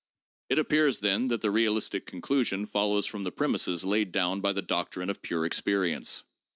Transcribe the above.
It appears, then, that the realistic conclusion follows from the premises laid down by the doctrine of pure experience.